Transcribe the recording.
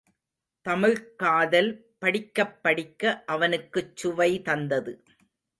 தமிழ்க் காதல் படிக்கப்படிக்க அவனுக்குச் சுவை தந்தது.